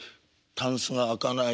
たんすが開かない。